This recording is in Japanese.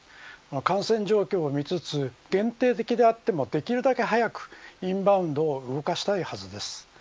感染状況を見つつ限定的であってもできるだけ早くインバウンドを動かしたいはずです。